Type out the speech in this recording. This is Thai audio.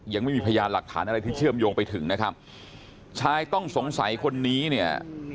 ยังไม่มีพยานหลักฐานอะไรที่เชื่อมโยงไปถึงนะครับชายต้องสงสัยคนนี้เนี่ย